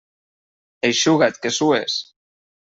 Eixuga't, que sues.